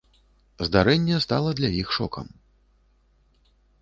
Здарэнне стала для іх шокам.